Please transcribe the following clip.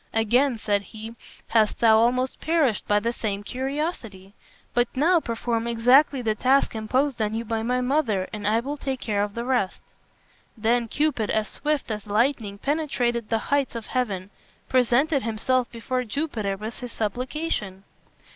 "Again," said he, "hast thou almost perished by the same curiosity. But now perform exactly the task imposed on you by my mother, and I will take care of the rest." Then Cupid, as swift as lightning penetrating the heights of heaven, presented himself before Jupiter with his supplication.